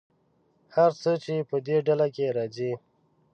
هر څه چې په دې ډله کې راځي.